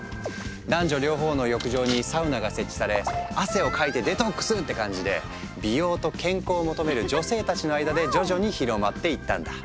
男女両方の浴場にサウナが設置され「汗をかいてデトックス！」って感じで美容と健康を求める女性たちの間で徐々に広まっていったんだ。